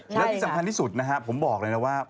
แล้วที่สำคัญที่สุดนะฮะผมบอกเลยนะว่า